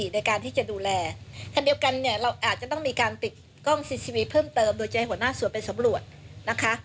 โดยจะมีหัวหน้าส่วนไปสำรวจนะคะ